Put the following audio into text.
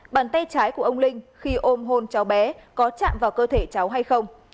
bàn tay trái của ông linh khi ôm hôn cháu bé có chạm vào cơ thể cháu hay không